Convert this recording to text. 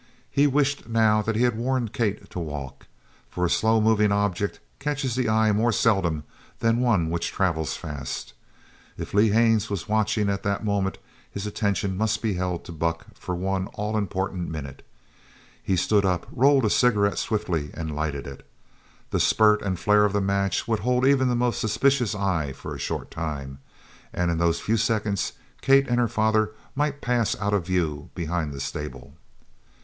He wished now that he had warned Kate to walk, for a slow moving object catches the eye more seldom than one which travels fast. If Lee Haines was watching at that moment his attention must be held to Buck for one all important minute. He stood up, rolled a cigarette swiftly, and lighted it. The spurt and flare of the match would hold even the most suspicious eye for a short time, and in those few seconds Kate and her father might pass out of view behind the stable.